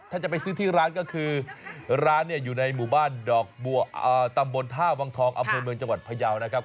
ถ้าจะไปซื้อที่ร้านก็คือร้านเนี่ยอยู่ในหมู่บ้านดอกบัวตำบลท่าวังทองอำเภอเมืองจังหวัดพยาวนะครับ